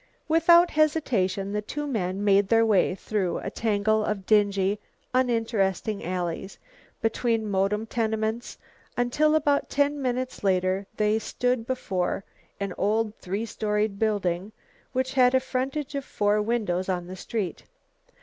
Without hesitation the two men made their way through a tangle of dingy, uninteresting alleys, between modern tenements, until about ten minutes later they stood before an old three storied building, which had a frontage of four windows on the street.